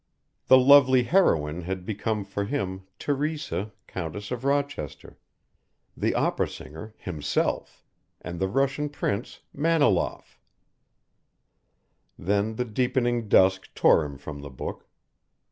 The lovely heroine had become for him Teresa, Countess of Rochester, the Opera singer himself, and the Russian Prince Maniloff. Then the deepening dusk tore him from the book.